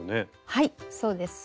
はいそうです。